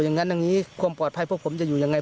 อย่างนั้นอย่างนี้ความปลอดภัยพวกผมจะอยู่ยังไง